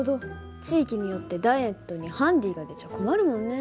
地域によってダイエットにハンディが出ちゃ困るもんね。